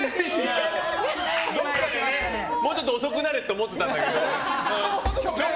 どこかでもうちょっと遅くなれって思ってたんだけど。